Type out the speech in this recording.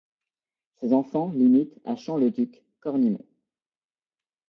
Ses enfants l'imitent à Champ-le-Duc, Cornimont.